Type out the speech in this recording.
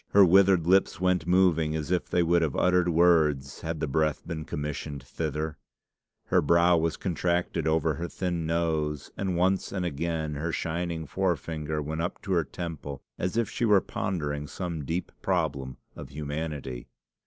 Her withered lips went moving as if they would have uttered words had the breath been commissioned thither; her brow was contracted over her thin nose; and once and again her shining forefinger went up to her temple as if she were pondering some deep problem of humanity.